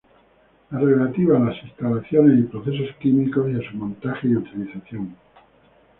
La relativa a las instalaciones y procesos químicos y a su montaje y utilización.